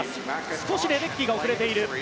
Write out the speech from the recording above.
少しレデッキーが遅れている。